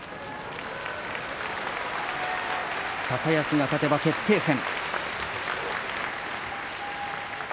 高安が勝てば決定戦。